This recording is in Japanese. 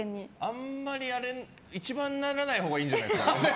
あんまり、一番ならないほうがいいんじゃないですかね。